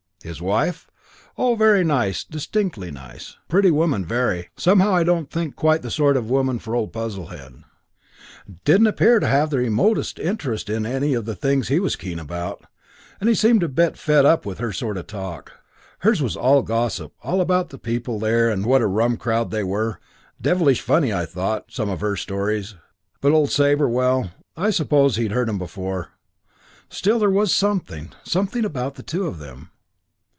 His wife?... Oh, very nice, distinctly nice. Pretty woman, very. Somehow I didn't think quite the sort of woman for old Puzzlehead. Didn't appear to have the remotest interest in any of the things he was keen about; and he seemed a bit fed with her sort of talk. Hers was all gossip all about the people there and what a rum crowd they were. Devilish funny, I thought, some of her stories. But old Sabre well, I suppose he'd heard 'em before. Still, there was something something about the two of them.